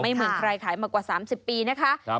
เหมือนใครขายมากว่า๓๐ปีนะคะ